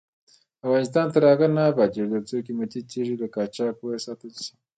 افغانستان تر هغو نه ابادیږي، ترڅو قیمتي تیږې له قاچاق وساتل نشي.